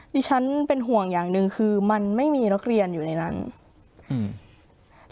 ดิฉันเป็นห่วงอย่างหนึ่งคือมันไม่มีนักเรียนอยู่ในนั้นอืม